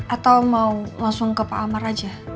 atau mau langsung ke pak amar aja